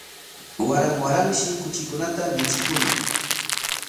Waran waranshi kuchikunata michikuñaq